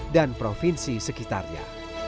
dan provinsi sekitarnya